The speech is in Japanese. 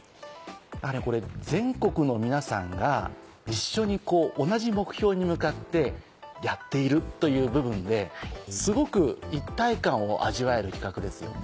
やはりこれ全国の皆さんが一緒に同じ目標に向かってやっているという部分ですごく一体感を味わえる企画ですよね。